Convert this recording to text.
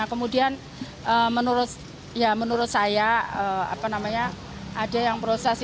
kemudian menurut saya ada yang proses itu